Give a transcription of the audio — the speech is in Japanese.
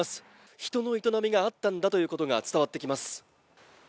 人の営みがあったんだということが伝わってきます。